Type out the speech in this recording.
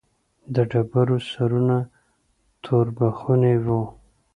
د ډبرو سرونه توربخوني وو.